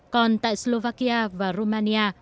còn tại slovakia và romania